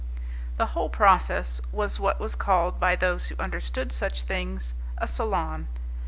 The whole process was what was called, by those who understood such things, a salon.